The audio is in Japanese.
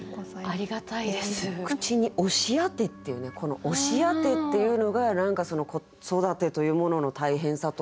「口に押し当て」っていうねこの「押し当て」っていうのが何か子育てというものの大変さとか。